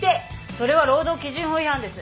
それは労働基準法違反です。